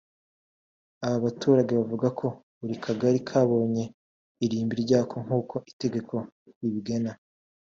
Aba baturage bavuga ko buri kagari kabonye irimbi ryako nk’uko itegeko ribigena